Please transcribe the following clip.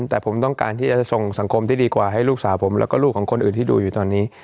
แต่ผมต้องการที่จะส่งสังคมที่ดีกว่าให้ลูกสาวผมแล้วก็ลูกของคนอื่นที่ดูอยู่ตอนนี้